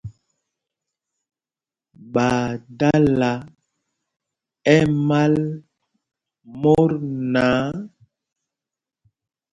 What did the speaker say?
Ɓaa dala ɛmal mot náǎ.